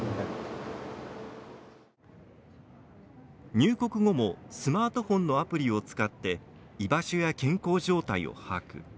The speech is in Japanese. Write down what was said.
入国後もスマートフォンのアプリを使って居場所や健康状態を把握。